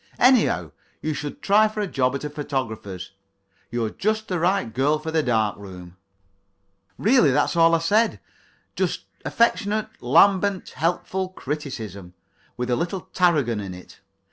Anyhow, you should try for a job at a photographer's you're just the girl for a dark room." Really, that's all I said just affectionate, lambent, helpful criticism, with a little Tarragon in it.